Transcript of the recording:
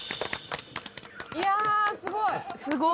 いやあすごい。